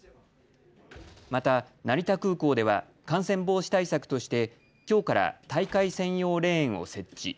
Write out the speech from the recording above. また成田空港では感染防止対策としてきょうから大会専用レーンを設置。